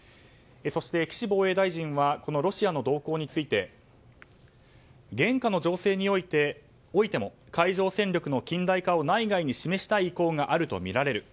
そして岸防衛大臣はこのロシアの動向について現下の情勢においても海上戦力の近代化を内外に示したい意向があるとみられる。